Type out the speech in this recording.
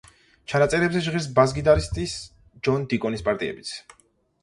ჩანაწერებზე ჟღერს ბას-გიტარისტ ჯონ დიკონის პარტიებიც.